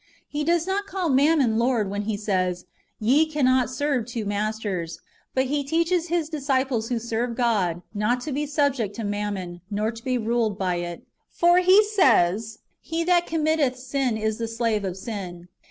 He does not call mammon Lord when He says, "Ye cannot serve two masters;" but He teaches His disciples who serve God, not to be subject to mammon, nor to be ruled by it. For He says, " He that committeth sin is the slave of sin."